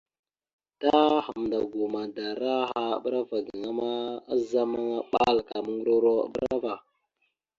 Ta Hamndagwa madara aha a ɓəra ava gaŋa ma, azamaŋa aɓal ka muŋgəruro a ɓəra ava.